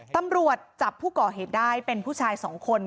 ตำรวจจับผู้ก่อเหตุได้เป็นผู้ชายสองคน